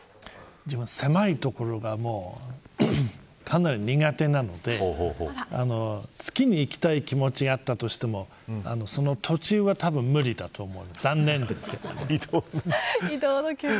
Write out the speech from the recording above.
狭い所が苦手なので月に行きたい気持ちがあったとしてもその途中はたぶん無理だと思います。